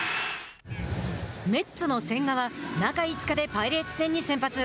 メッツの千賀は中５日でパイレーツ戦に先発。